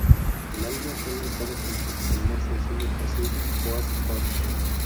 El álbum fue lanzado junto a su primer sencillo, "Pacific Coast Party".